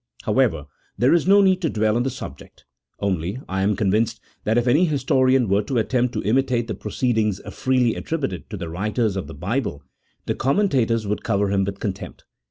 However, there is no need to dwell on the subject; only I am convinced that if any historian were to attempt to imitate the proceedings freely attributed to the writers of the Bible, the commentators would cover him with contempt.